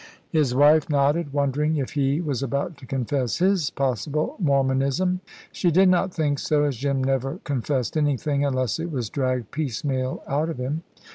His wife nodded, wondering if he was about to confess his possible Mormonism. She did not think so, as Jim never confessed anything, unless it was dragged piecemeal out of him.